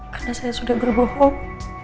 karena saya sudah berbohong